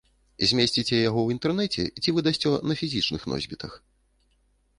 Змесціце яго ў інтэрнэце ці выдасце на фізічных носьбітах?